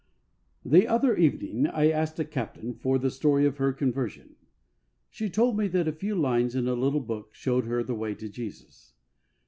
T he other evening I asked a Captain for the story of her conversion. She told me that a few lines in a little book showed her the way to Jesus.